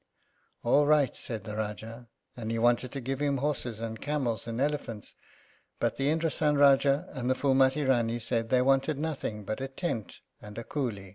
"All right," said the Rájá, and he wanted to give him horses, and camels, and elephants. But the Indrásan Rájá and the Phúlmati Rání said they wanted nothing but a tent and a cooly.